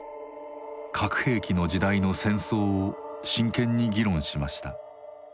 核兵器の時代の戦争を真剣に議論しました。